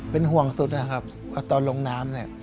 เป็นห่วงสุดนะครับว่าตอนลงน้ำเนี่ย